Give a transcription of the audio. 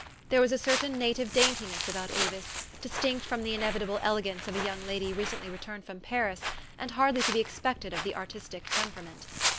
There was a certain native daintiness about Avis, distinct from the inevitable elegance of a young lady recently returned from Paris, and hardly to be expected of the artistic temperament.